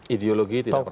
ideologi tidak pernah mati